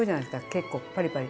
結構パリパリ。